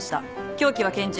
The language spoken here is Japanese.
凶器は拳銃。